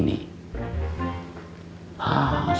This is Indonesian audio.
masih teres saja kalau kayak gini